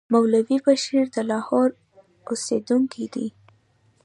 مولوي بشیر د لاهور اوسېدونکی دی.